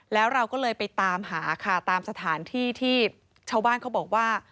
แล้วเราก็เลยไปตามหาค่ะตามสถานที่ที่ชาวบ้านเขาบอกว่า